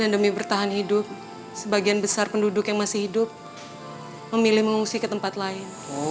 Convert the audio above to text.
dan demi bertahan hidup sebagian besar penduduk yang masih hidup memilih mengungsi ke tempat lain